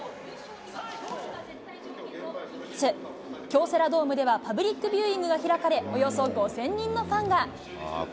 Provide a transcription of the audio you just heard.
京セラドームでは、パブリックビューイングが開かれ、およそ５０００人のファンが。